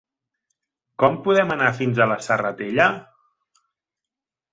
Com podem anar fins a la Serratella?